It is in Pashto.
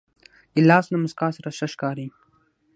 ګیلاس له موسکا سره ښه ښکاري.